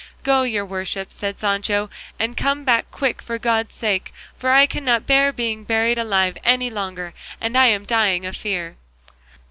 "Go, your worship," said Sancho, "and come back quick for God's sake; for I cannot bear being buried alive any longer, and I'm dying of fear."